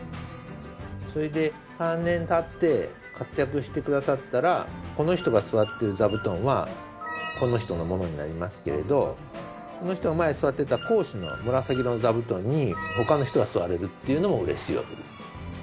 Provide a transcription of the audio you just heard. それで３年経って活躍してくださったらこの人が座っている座布団はこの人のものになりますけれどこの人が前に座ってた講師の紫色の座布団に他の人が座れるっていうのも嬉しいわけです。